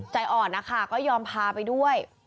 ใจอ่อนนะคะก็ยอมพาไปด้วย